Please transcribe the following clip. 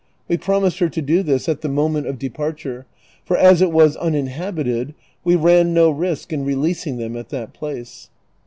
We promised her to do this at the moment of departure, for as it was uninhabited we ran no risk in releasing them at that place.